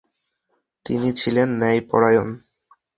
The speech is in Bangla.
তিনি ছিলেন ন্যায়পরায়ণ।